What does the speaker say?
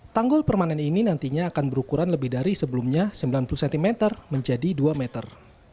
tanggul permanen ini nantinya akan berukuran lebih dari sebelumnya sembilan puluh cm menjadi dua meter